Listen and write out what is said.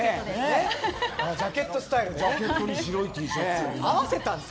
ジャケットスタイルで。